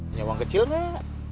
ini uang kecil nek